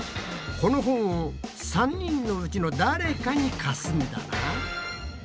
この本を３人のうちの誰かに貸すんだな。